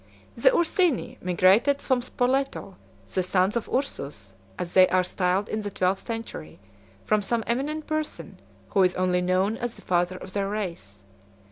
II. The Ursini migrated from Spoleto; 104 the sons of Ursus, as they are styled in the twelfth century, from some eminent person, who is only known as the father of their race.